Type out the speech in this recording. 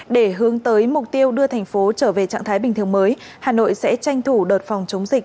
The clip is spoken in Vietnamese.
để hướng tới mục tiêu đưa thành phố trở về trạng thái bình thường mới hà nội sẽ tranh thủ đợt phòng chống dịch